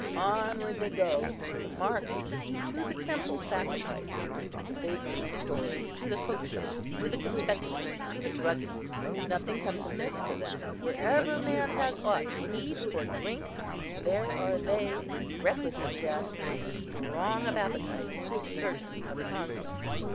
Onward they go, to the market, to the temple sacrifices, to the baker's stores, to the cook shops, to the confectioner's, to the druggists; nothing comes amiss to them; wherever man has aught to eat or drink, there are they, reckless of death, strong of appetite, certain of conquest.